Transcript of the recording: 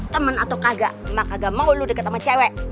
temen atau kagak emang kagak mau lo deket sama cewek